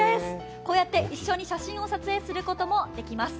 こうやって一緒に写真を撮影することもできます。